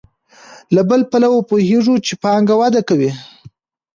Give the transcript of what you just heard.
له بل پلوه پوهېږو چې پانګه وده کوي